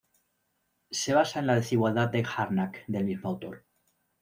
Se basa en la desigualdad de Harnack del mismo autor.